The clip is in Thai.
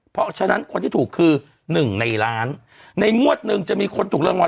เพราะฉะนั้นคนที่ถูกคือหนึ่งในล้านในงวดหนึ่งจะมีคนถูกรางวัล